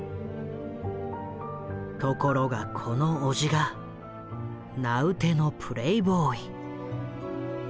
ところがこの伯父が名うてのプレーボーイ。